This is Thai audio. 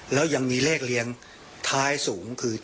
แล้วยังมีเลขเลี้ยงไทยสูงคือ๗๘๙